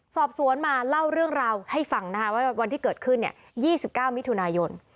สอบสวนมาเล่าเรื่องราวให้ฟังนะคะว่าวันที่เกิดขึ้น๒๙มิถุนายน